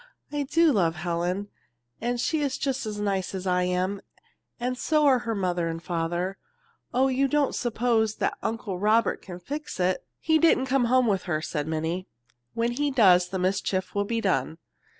I do love Helen, and she is just as nice as I am, and so are her mother and father. Oh, don't you suppose Uncle Robert can fix it?" "He didn't come home with her," said Minnie. "When he does the mischief will be done.